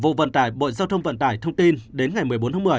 vụ vận tải bộ giao thông vận tải thông tin đến ngày một mươi bốn tháng một mươi